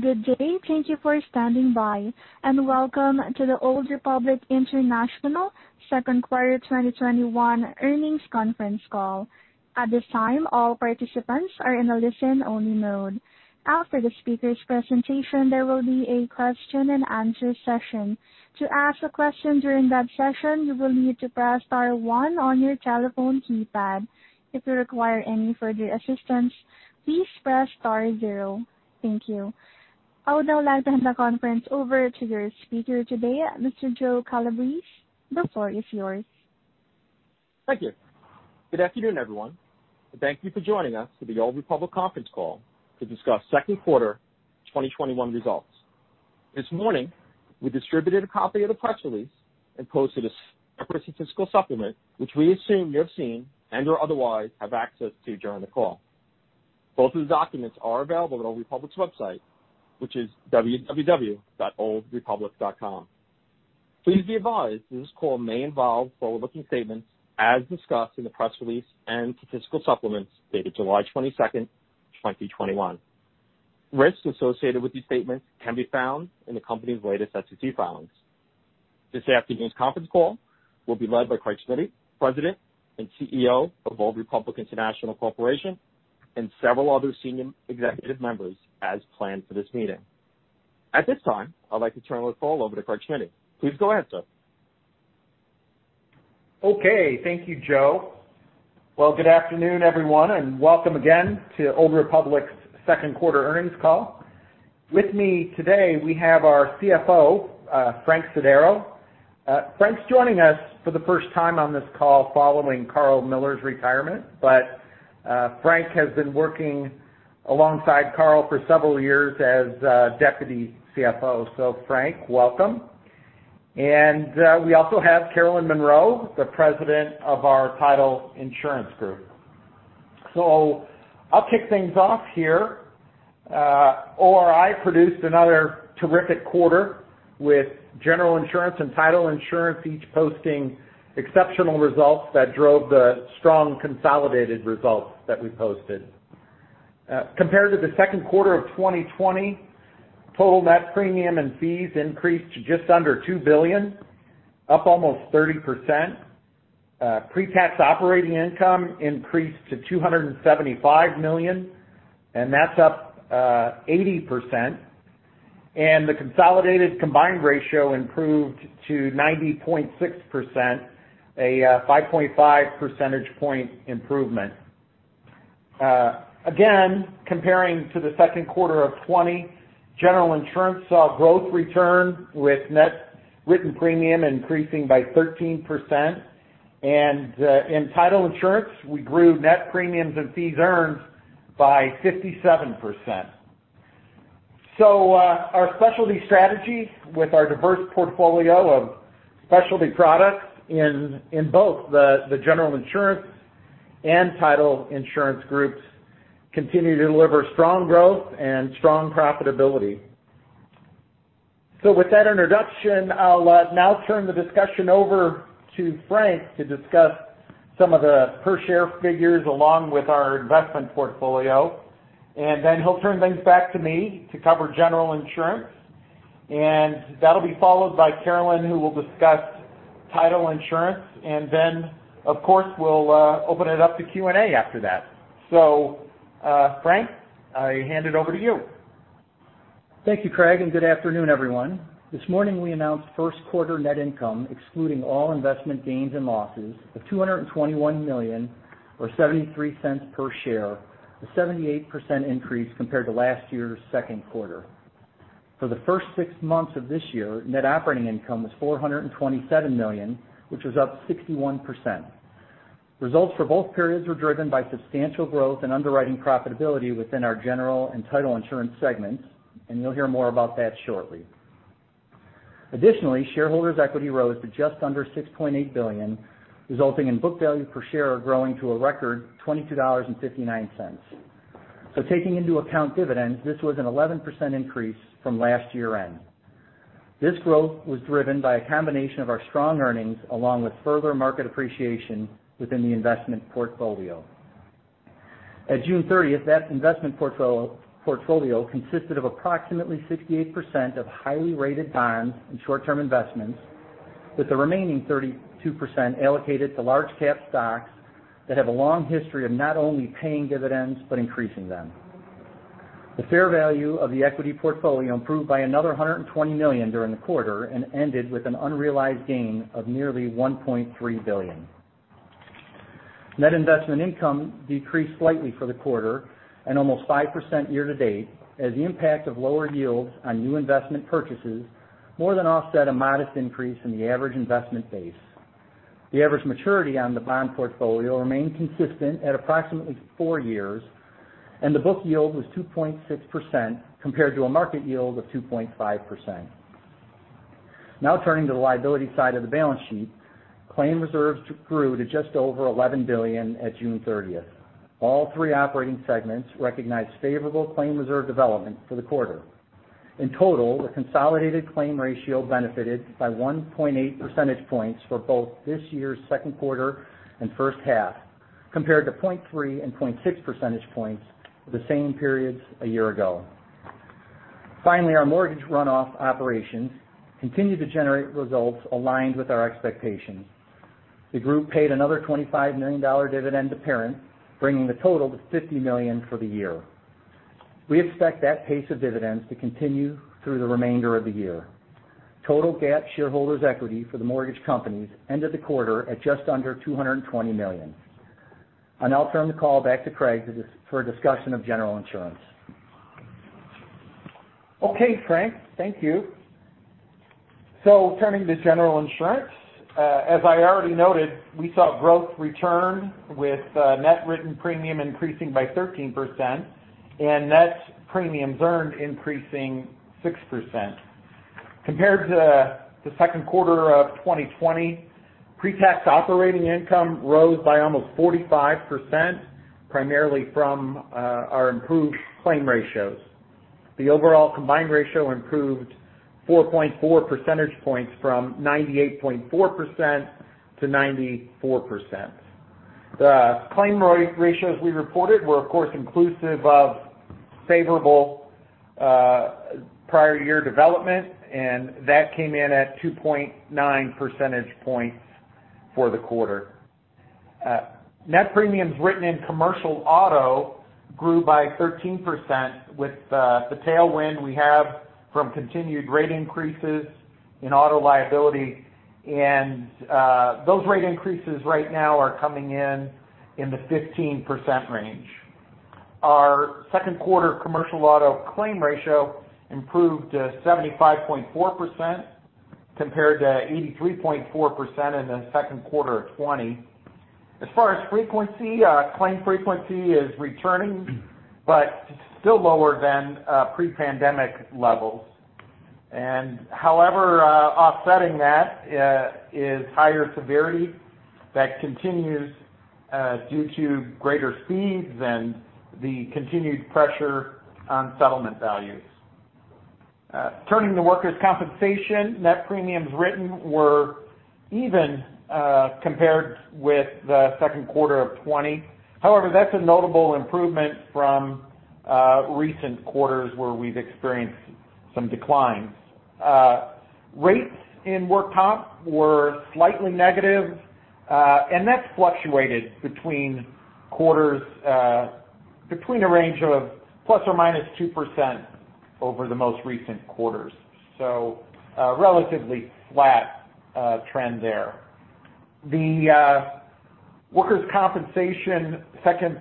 Good day. Thank you for standing by, and welcome to the Old Republic International second quarter 2021 earnings conference call. At this time, all participants are in a listen-only mode. After the speaker's presentation, there will be a question and answer session. To ask a question during that session, you will need to press star 1 on your telephone keypad. If you require any further assistance, please press star 0. Thank you. I would now like to hand the conference over to your speaker today, Mr. Joe Calabrese. The floor is yours. Thank you. Good afternoon, everyone. Thank you for joining us for the Old Republic conference call to discuss second quarter 2021 results. This morning, we distributed a copy of the press release and posted a separate statistical supplement, which we assume you have seen and/or otherwise have access to during the call. Both of the documents are available at Old Republic's website, which is www.oldrepublic.com. Please be advised, this call may involve forward-looking statements as discussed in the press release and statistical supplements dated July 22, 2021. Risks associated with these statements can be found in the company's latest SEC filings. This afternoon's conference call will be led by Craig Smiddy, President and CEO of Old Republic International Corporation, and several other senior executive members as planned for this meeting. At this time, I'd like to turn the call over to Craig Smiddy. Please go ahead, sir. Okay. Thank you, Joe. Well, good afternoon, everyone, and welcome again to Old Republic's second quarter earnings call. With me today, we have our CFO, Frank Sodaro. Frank's joining us for the 1st time on this call following Karl Mueller's retirement. Frank has been working alongside Karl for several years as Deputy CFO. Frank, welcome. We also have Carolyn Monroe, the President of our Title Insurance Group. I'll kick things off here. ORI produced another terrific quarter with General Insurance and Title Insurance each posting exceptional results that drove the strong consolidated results that we posted. Compared to the second quarter of 2020, total net premium and fees increased to just under $2 billion, up almost 30%. Pre-tax operating income increased to $275 million, and that's up 80%. The consolidated combined ratio improved to 90.6%, a 5.5 percentage point improvement. Again, comparing to the second quarter of 2020, General Insurance saw growth return with net written premium increasing by 13%. In Title Insurance, we grew net premiums and fees earned by 57%. Our specialty strategy with our diverse portfolio of specialty products in both the General Insurance and Title Insurance groups continues to deliver strong growth and strong profitability. With that introduction, I'll now turn the discussion over to Frank to discuss some of the per share figures along with our investment portfolio, and then he'll turn things back to me to cover General Insurance. That'll be followed by Carolyn, who will discuss Title Insurance. Then, of course, we'll open it up to Q&A after that. Frank, I hand it over to you. Thank you, Craig, and good afternoon, everyone. This morning, we announced second quarter net income, excluding all investment gains and losses, of $221 million or $0.73 per share, a 78% increase compared to last year's second quarter. For the first six months of this year, net operating income was $427 million, which was up 61%. Results for both periods were driven by substantial growth in underwriting profitability within our General and Title Insurance segments, and you'll hear more about that shortly. Additionally, shareholders' equity rose to just under $6.8 billion, resulting in book value per share growing to a record $22.59. Taking into account dividends, this was an 11% increase from last year-end. This growth was driven by a combination of our strong earnings along with further market appreciation within the investment portfolio. At June 30th, that investment portfolio consisted of approximately 68% of highly rated bonds and short-term investments, with the remaining 32% allocated to large cap stocks that have a long history of not only paying dividends, but increasing them. The fair value of the equity portfolio improved by another $120 million during the quarter and ended with an unrealized gain of nearly $1.3 billion. Net investment income decreased slightly for the quarter and almost 5% year-to-date as the impact of lower yields on new investment purchases more than offset a modest increase in the average investment base. The average maturity on the bond portfolio remained consistent at approximately four years, and the book yield was 2.6% compared to a market yield of 2.5%. Turning to the liability side of the balance sheet. Claim reserves grew to just over $11 billion at June 30th. All 3 operating segments recognized favorable claim reserve development for the quarter. In total, the consolidated claim ratio benefited by 1.8 percentage points for both this year's second quarter and first half, compared to 0.3 and 0.6 percentage points for the same periods a year ago. Finally, our mortgage runoff operations continued to generate results aligned with our expectations. The group paid another $25 million dividend to parent, bringing the total to $50 million for the year. We expect that pace of dividends to continue through the remainder of the year. Total GAAP shareholders' equity for the mortgage companies ended the quarter at just under $420 million. I'll now turn the call back to Craig for a discussion of General Insurance. Okay, Frank. Thank you. Turning to General Insurance, as I already noted, we saw growth return with net written premium increasing by 13%, and net premiums earned increasing 6%. Compared to the second quarter of 2020, pre-tax operating income rose by almost 45%, primarily from our improved claim ratios. The overall combined ratio improved 4.4 percentage points from 98.4% to 94%. The claim ratios we reported were, of course, inclusive of favorable prior year development, and that came in at 2.9 percentage points for the quarter. Net premiums written in commercial auto grew by 13% with the tailwind we have from continued rate increases in auto liability. Those rate increases right now are coming in in the 15% range. Our second quarter commercial auto loss ratio improved to 75.4%, compared to 83.4% in the second quarter of 2020. As far as frequency, claim frequency is returning, but still lower than pre-pandemic levels. Offsetting that is higher severity that continues due to greater speeds and the continued pressure on settlement values. Turning to workers' compensation, net premiums written were even compared with the second quarter of 2020. That's a notable improvement from recent quarters where we've experienced some declines. Rates in work comp were slightly negative, and that's fluctuated between quarters between a range of plus or minus 2% over the most recent quarters. A relatively flat trend there. The workers' compensation second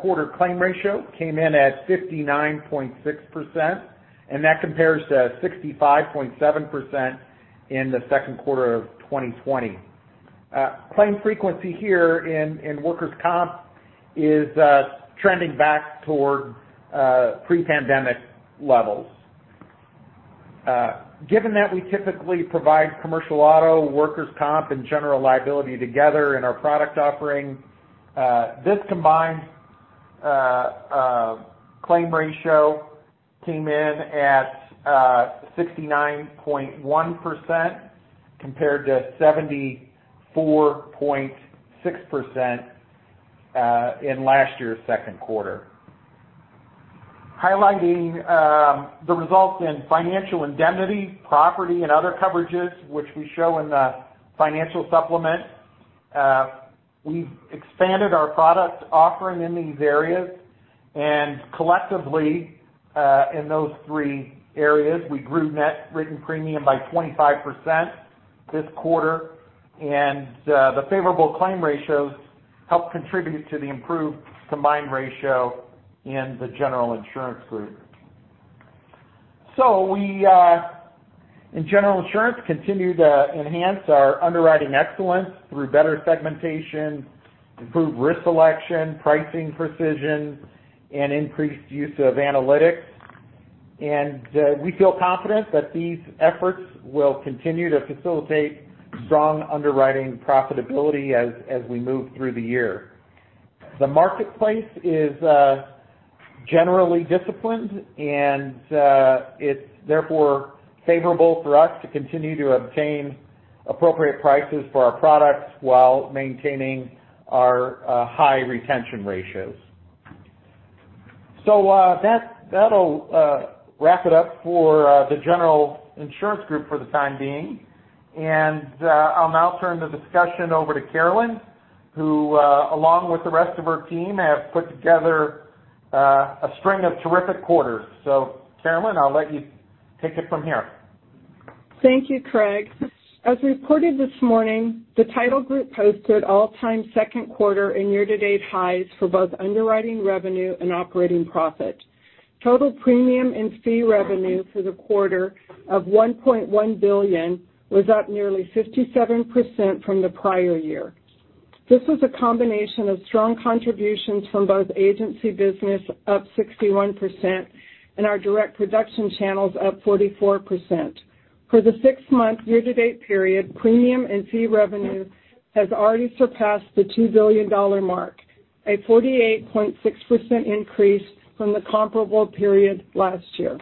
quarter loss ratio came in at 59.6%, and that compares to 65.7% in the second quarter of 2020. Claim frequency here in workers' comp is trending back toward pre-pandemic levels. Given that we typically provide commercial auto, workers' comp, and general liability together in our product offering, this combined loss ratio came in at 69.1%, compared to 74.6% in last year's second quarter. Highlighting the results in financial indemnity, property, and other coverages, which we show in the financial supplement, we've expanded our product offering in these areas. Collectively, in those three areas, we grew net written premium by 25% this quarter. The favorable claim ratios helped contribute to the improved combined ratio in the General Insurance Group. We, in General Insurance Group, continue to enhance our underwriting excellence through better segmentation, improved risk selection, pricing precision, and increased use of analytics. We feel confident that these efforts will continue to facilitate strong underwriting profitability as we move through the year. The marketplace is generally disciplined, and it's therefore favorable for us to continue to obtain appropriate prices for our products while maintaining our high retention ratios. That'll wrap it up for the General Insurance Group for the time being. I'll now turn the discussion over to Carolyn, who, along with the rest of her team, have put together a string of terrific quarters. Carolyn, I'll let you take it from here. Thank you, Craig. As reported this morning, the Title Insurance Group posted all-time second quarter and year-to-date highs for both underwriting revenue and operating profit. Total premium and fee revenue for the quarter of $1.1 billion was up nearly 57% from the prior year. This was a combination of strong contributions from both agency business, up 61%, and our direct production channels, up 44%. For the six-month year-to-date period, premium and fee revenue has already surpassed the $2 billion mark. A 48.6% increase from the comparable period last year.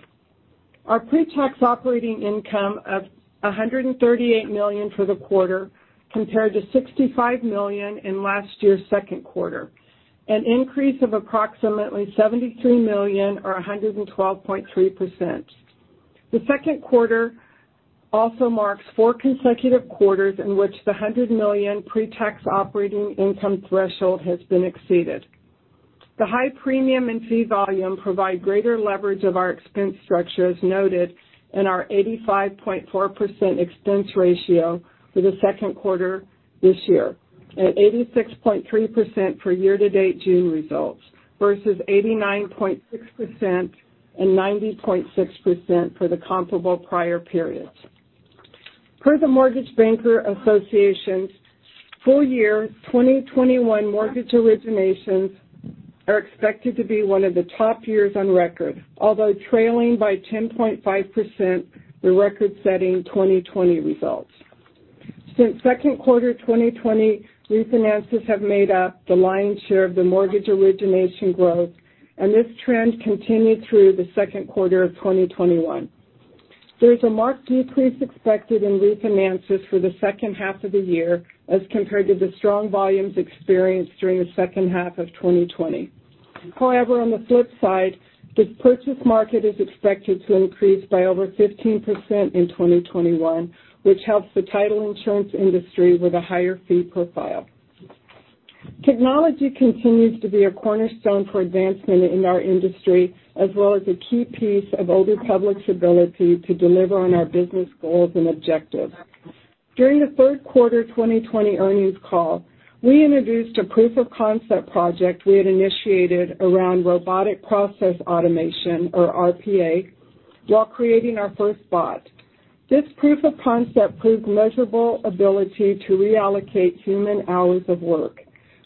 Our pre-tax operating income of $138 million for the quarter compared to $65 million in last year's second quarter, an increase of approximately $73 million or 112.3%. The second quarter also marks four consecutive quarters in which the $100 million pre-tax operating income threshold has been exceeded. The high premium and fee volume provide greater leverage of our expense structure, as noted in our 85.4% expense ratio for the second quarter this year, and 86.3% for year-to-date June results, versus 89.6% and 90.6% for the comparable prior periods. Per the Mortgage Bankers Association's full year 2021 mortgage originations are expected to be 1 of the top years on record, although trailing by 10.5% the record-setting 2020 results. Since second quarter 2020, refinances have made up the lion's share of the mortgage origination growth, and this trend continued through the second quarter of 2021. There is a marked decrease expected in refinances for the second half of the year as compared to the strong volumes experienced during the second half of 2020. On the flip side, the purchase market is expected to increase by over 15% in 2021, which helps the title insurance industry with a higher fee profile. Technology continues to be a cornerstone for advancement in our industry, as well as a key piece of Old Republic's ability to deliver on our business goals and objectives. During the third quarter 2020 earnings call, we introduced a proof of concept project we had initiated around robotic process automation, or RPA, while creating our first bot. This proof of concept proved measurable ability to reallocate human hours of work.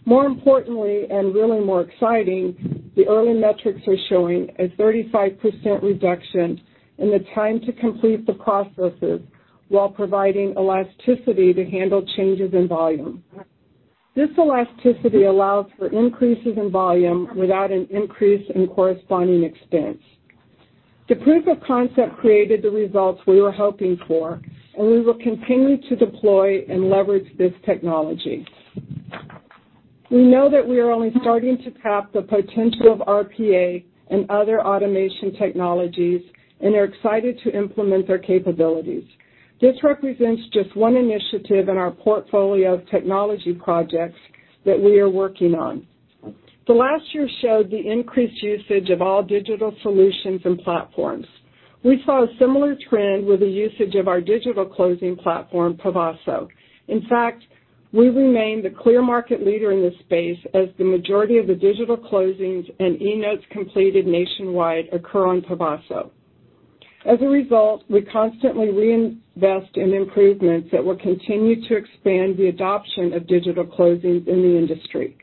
More importantly, and really more exciting, the early metrics are showing a 35% reduction in the time to complete the processes while providing elasticity to handle changes in volume. This elasticity allows for increases in volume without an increase in corresponding expense. The proof of concept created the results we were hoping for, and we will continue to deploy and leverage this technology. We know that we are only starting to tap the potential of RPA and other automation technologies and are excited to implement their capabilities. This represents just one initiative in our portfolio of technology projects that we are working on. The last year showed the increased usage of all digital solutions and platforms. We saw a similar trend with the usage of our digital closing platform, Pavaso. In fact, we remain the clear market leader in this space as the majority of the digital closings and eNotes completed nationwide occur on Pavaso. As a result, we constantly reinvest in improvements that will continue to expand the adoption of digital closings in the industry.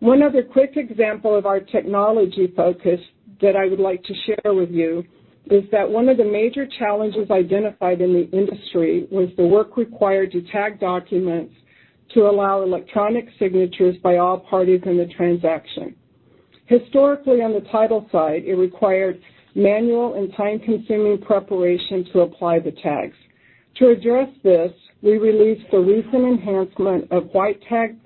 One other quick example of our technology focus that I would like to share with you is that one of the major challenges identified in the industry was the work required to tag documents to allow electronic signatures by all parties in the transaction. Historically, on the title side, it required manual and time-consuming preparation to apply the tags. To address this, we released the recent enhancement of white text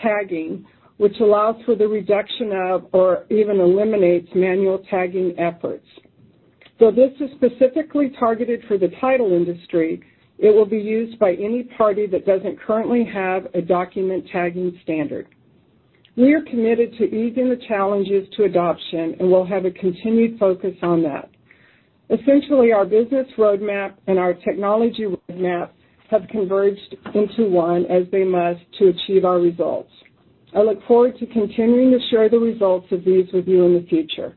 tagging, which allows for the reduction of or even eliminates manual tagging efforts. Though this is specifically targeted for the title industry, it will be used by any party that doesn't currently have a document tagging standard. We are committed to easing the challenges to adoption and will have a continued focus on that. Essentially, our business roadmap and our technology roadmap have converged into one as they must to achieve our results. I look forward to continuing to share the results of these with you in the future.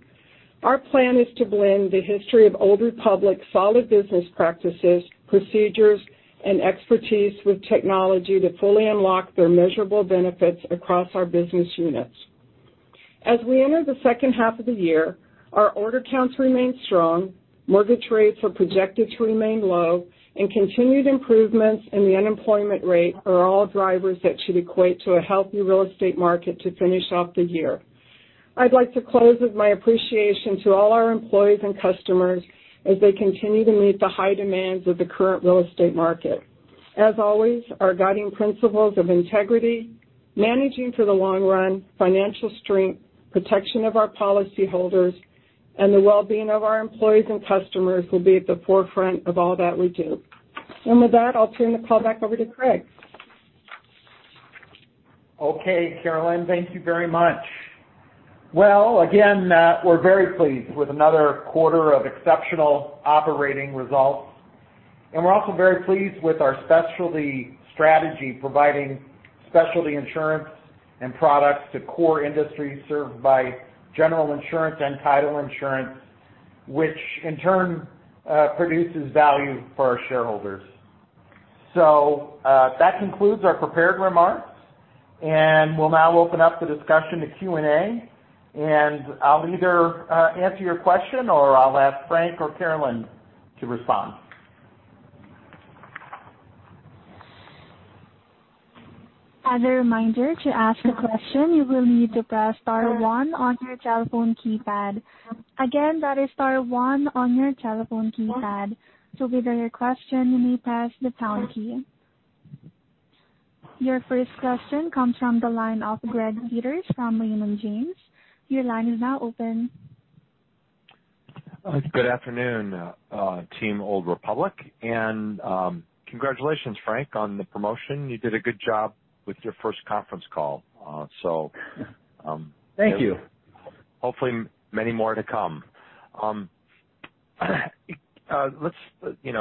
Our plan is to blend the history of Old Republic's solid business practices, procedures, and expertise with technology to fully unlock their measurable benefits across our business units. As we enter the second half of the year, our order counts remain strong, mortgage rates are projected to remain low, and continued improvements in the unemployment rate are all drivers that should equate to a healthy real estate market to finish off the year. I'd like to close with my appreciation to all our employees and customers as they continue to meet the high demands of the current real estate market. As always, our guiding principles of integrity, managing for the long run, financial strength, protection of our policyholders, and the well-being of our employees and customers will be at the forefront of all that we do. With that, I'll turn the call back over to Craig. Okay, Carolyn, thank you very much. Again, we're very pleased with another quarter of exceptional operating results, and we're also very pleased with our specialty strategy providing specialty insurance and products to core industries served by General Insurance Group and Title Insurance Group, which in turn produces value for our shareholders. That concludes our prepared remarks, and we'll now open up the discussion to Q&A, and I'll either answer your question or I'll ask Frank or Carolyn to respond. Your first question comes from the line of Greg Peters from Raymond James. Your line is now open. Good afternoon, Team Old Republic. Congratulations, Frank, on the promotion. You did a good job with your first conference call. Thank you. Hopefully many more to come. Just in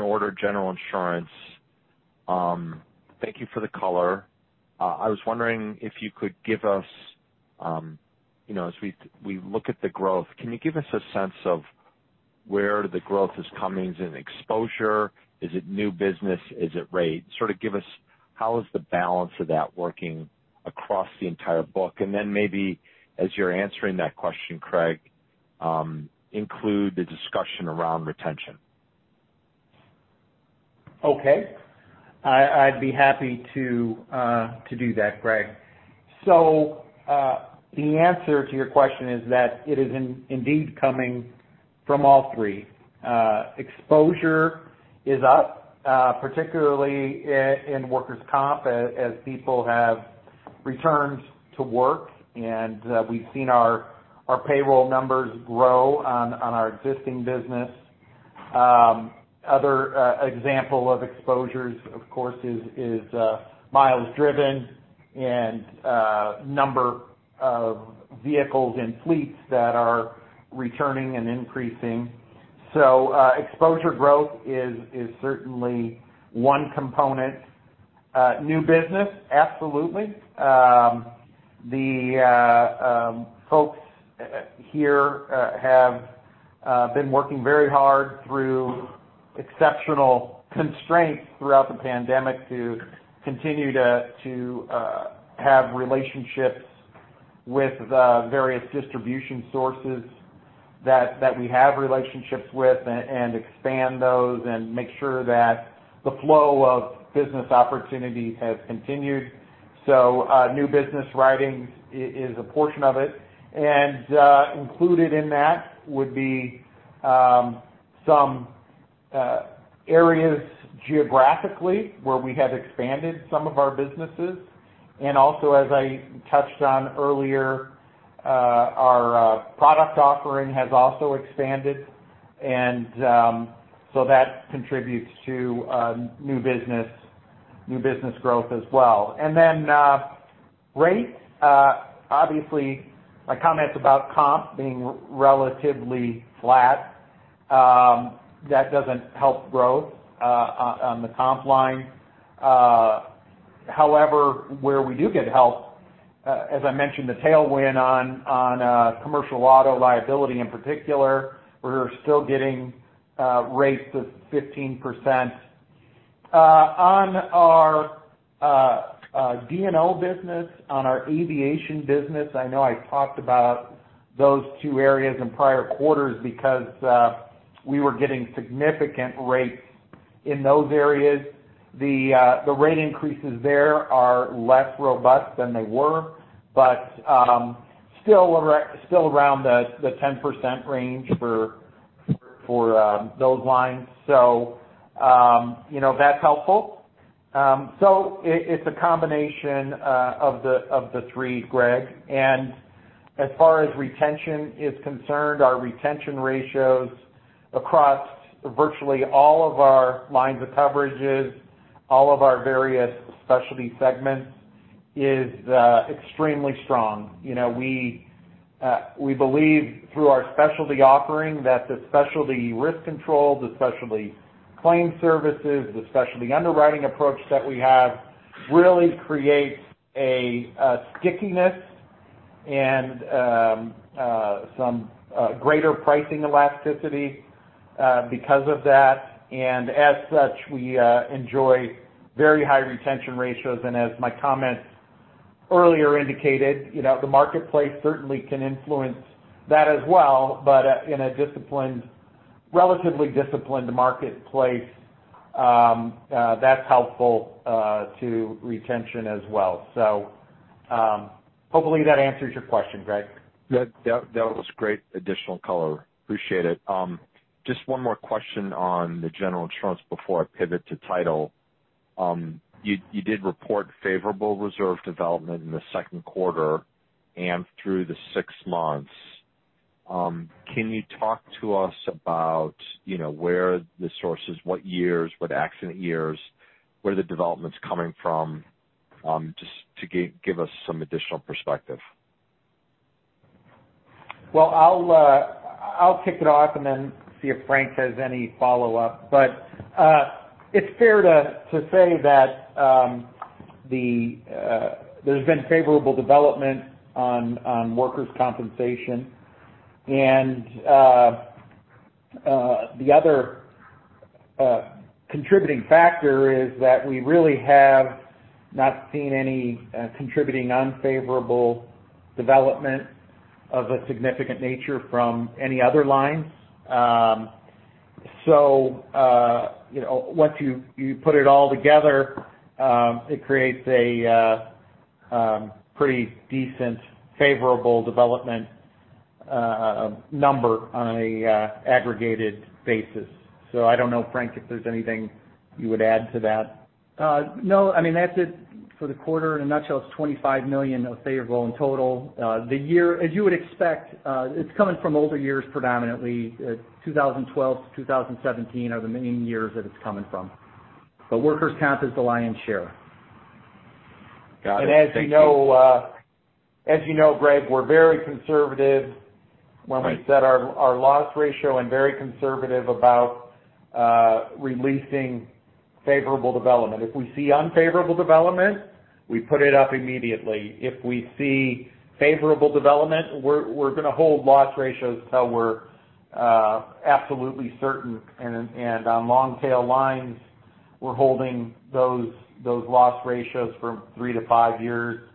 order, General Insurance, thank you for the color. I was wondering if you could give us, as we look at the growth, can you give us a sense of where the growth is coming? Is it in exposure? Is it new business? Is it rate? Sort of give us how is the balance of that working across the entire book. Maybe as you're answering that question, Craig, include the discussion around retention. Okay. I'd be happy to do that, Greg. The answer to your question is that it is indeed coming from all three. Exposure is up, particularly in workers' comp, as people have returned to work, and we've seen our payroll numbers grow on our existing business. Other example of exposures, of course, is miles driven and number of vehicles in fleets that are returning and increasing. Exposure growth is certainly one component. New business, absolutely. The folks here have been working very hard through exceptional constraints throughout the pandemic to continue to have relationships with various distribution sources that we have relationships and expand those and make sure that the flow of business opportunity has continued. New business writings is a portion of it, and included in that would be some areas geographically where we have expanded some of our businesses. As I touched on earlier, our product offering has also expanded, that contributes to new business growth as well. Rates. Obviously, my comments about comp being relatively flat, that doesn't help growth on the comp line. Where we do get help, as I mentioned, the tailwind on commercial auto liability in particular, we're still getting rates of 15%. On our D&O business, on our aviation business, I know I talked about those two areas in prior quarters because we were getting significant rates in those areas. The rate increases there are less robust than they were, but still around the 10% range for those lines. That's helpful. It's a combination of the three, Greg Peters. As far as retention is concerned, our retention ratios across virtually all of our lines of coverages, all of our various specialty segments, is extremely strong. We believe through our specialty offering, that the specialty risk control, the specialty claim services, the specialty underwriting approach that we have really creates a stickiness and some greater pricing elasticity because of that, and as such, we enjoy very high retention ratios. As my comments earlier indicated, the marketplace certainly can influence that as well. In a relatively disciplined marketplace, that's helpful to retention as well. Hopefully that answers your question, Greg. That was great additional color. Appreciate it. Just 1 more question on the General Insurance before I pivot to Title. You did report favorable reserve development in the 2nd quarter and through the 6 months. Can you talk to us about where the sources, what years, what accident years, where the development's coming from? Just to give us some additional perspective. Well, I'll kick it off and then see if Frank has any follow-up. It's fair to say that there's been favorable development on workers' compensation, and the other contributing factor is that we really have not seen any contributing unfavorable development. Of a significant nature from any other lines. Once you put it all together, it creates a pretty decent, favorable development number on an aggregated basis. I don't know, Frank, if there's anything you would add to that. No, that's it for the quarter in a nutshell. It's $25 million of favorable in total. The year, as you would expect, it's coming from older years predominantly. 2012 to 2017 are the main years that it's coming from. workers' comp is the lion's share. Got it. Thank you. As you know, Greg, we're very conservative when we set our loss ratio, and very conservative about releasing favorable development. If we see unfavorable development, we put it up immediately. If we see favorable development, we're going to hold loss ratios until we're absolutely certain, and on long tail lines, we're holding those loss ratios for 3-5 years,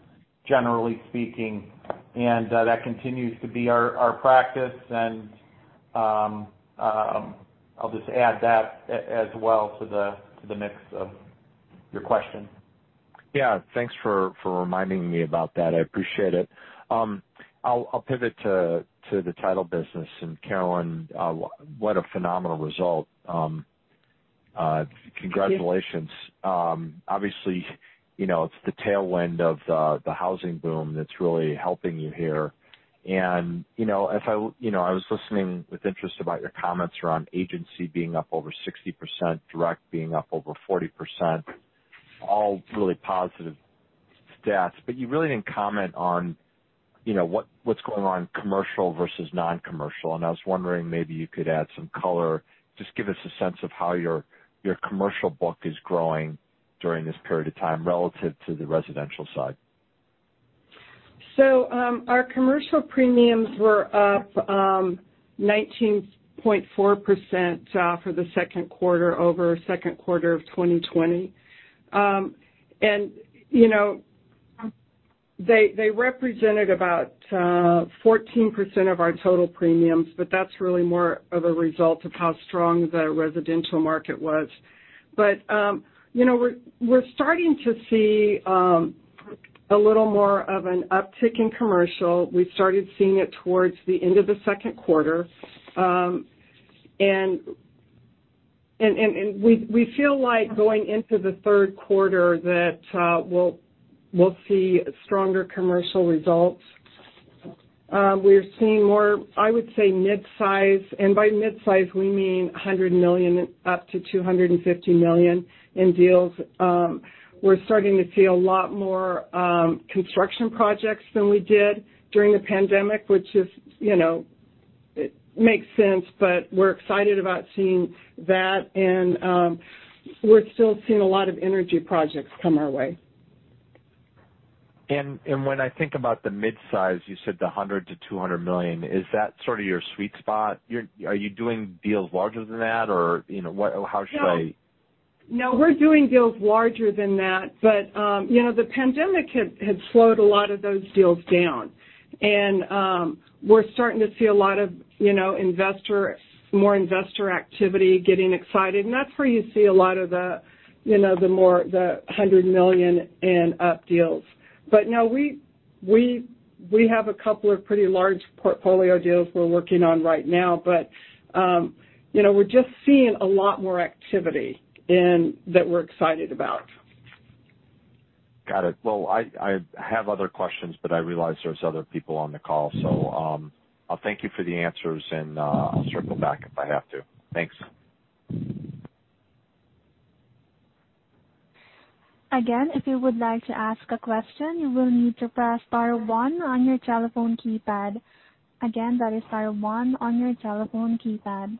generally speaking. That continues to be our practice, and I'll just add that as well to the mix of your question. Yeah. Thanks for reminding me about that. I appreciate it. I'll pivot to the title business, and Carolyn, what a phenomenal result. Thank you. Congratulations. Obviously, it's the tailwind of the housing boom that's really helping you here. I was listening with interest about your comments around agency being up over 60%, direct being up over 40%, all really positive stats. You really didn't comment on what's going on commercial versus non-commercial, and I was wondering maybe you could add some color. Just give us a sense of how your commercial book is growing during this period of time relative to the residential side. Our commercial premiums were up 19.4% for the second quarter over second quarter of 2020. They represented about 14% of our total premiums, but that's really more of a result of how strong the residential market was. We're starting to see a little more of an uptick in commercial. We started seeing it towards the end of the second quarter. We feel like going into the third quarter, that we'll see stronger commercial results. We're seeing more, I would say, mid-size, and by mid-size, we mean $100 million up to $250 million in deals. We're starting to see a lot more construction projects than we did during the pandemic, which makes sense, but we're excited about seeing that, and we're still seeing a lot of energy projects come our way. When I think about the mid-size, you said the $100 million-$200 million. Is that sort of your sweet spot? Are you doing deals larger than that or how should I? No, we're doing deals larger than that, but the pandemic had slowed a lot of those deals down. We're starting to see more investor activity, getting excited, and that's where you see a lot of the more, the $100 million and up deals. No, we have a couple of pretty large portfolio deals we're working on right now. We're just seeing a lot more activity that we're excited about. Got it. Well, I have other questions, but I realize there's other people on the call, so I'll thank you for the answers and I'll circle back if I have to. Thanks. Again, if you would like to ask a question, you will need to press star 1 on your telephone keypad. Again, that is star 1 on your telephone keypad.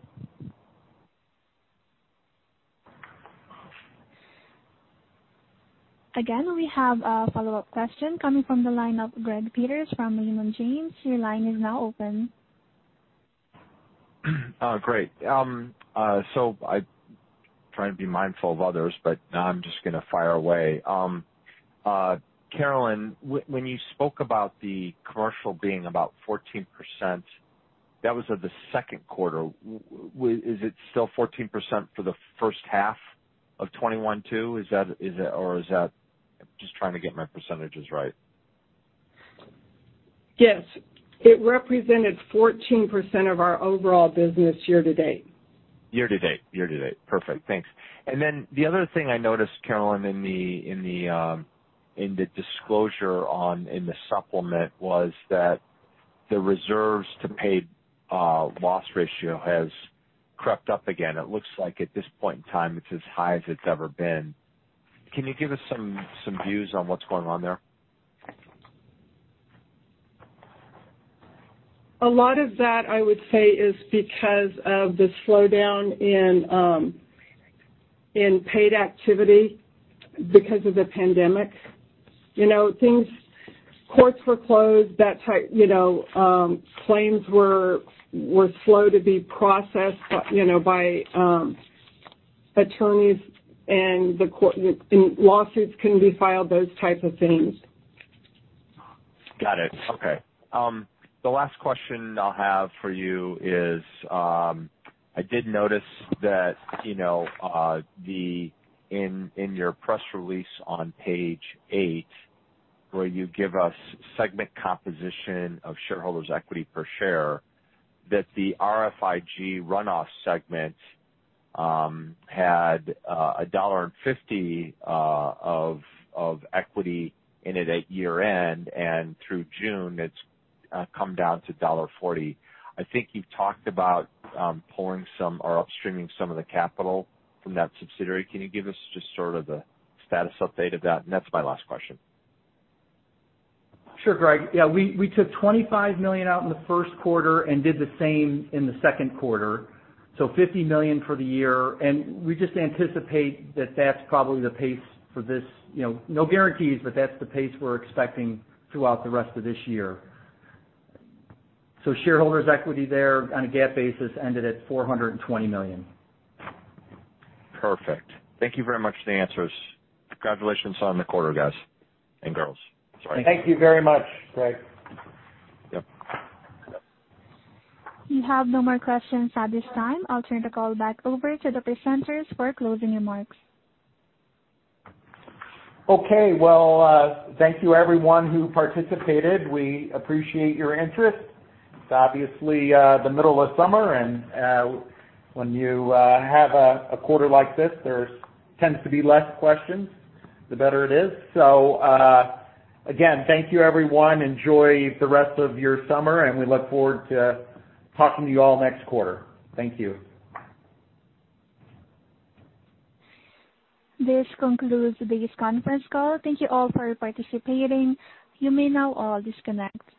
Again, we have a follow-up question coming from the line of Greg Peters from Raymond James. Your line is now open. Great. I try to be mindful of others, but no, I'm just going to fire away. Carolyn, when you spoke about the commercial being about 14%, that was of the second quarter. Is it still 14% for the first half of 2021 too? Just trying to get my percentages right. Yes. It represented 14% of our overall business year to date. Year to date. Perfect. Thanks. The other thing I noticed, Carolyn, in the disclosure in the supplement was that the reserves to paid loss ratio has crept up again. It looks like at this point in time, it's as high as it's ever been. Can you give us some views on what's going on there? A lot of that, I would say, is because of the slowdown in paid activity because of the pandemic. Courts were closed. Claims were slow to be processed by Attorneys and lawsuits can be filed, those type of things. Got it. Okay. The last question I'll have for you is, I did notice that in your press release on page 8, where you give us segment composition of shareholders' equity per share, that the RFIG run-off segment had $1.50 of equity in it at year-end. Through June, it's come down to $1.40. I think you've talked about pulling some or upstreaming some of the capital from that subsidiary. Can you give us just sort of a status update of that? That's my last question. Sure, Greg. We took $25 million out in the first quarter and did the same in the second quarter, so $50 million for the year. We just anticipate that that's probably the pace for this. No guarantees, but that's the pace we're expecting throughout the rest of this year. Shareholders' equity there on a GAAP basis ended at $420 million. Perfect. Thank you very much for the answers. Congratulations on the quarter, guys and girls. Sorry. Thank you very much, Greg. Yep. You have no more questions at this time. I'll turn the call back over to the presenters for closing remarks. Okay. Well, thank you everyone who participated. We appreciate your interest. It's obviously the middle of summer, and when you have a quarter like this, there tends to be less questions, the better it is. Again, thank you, everyone. Enjoy the rest of your summer, and we look forward to talking to you all next quarter. Thank you. This concludes today's conference call. Thank you all for participating. You may now all disconnect.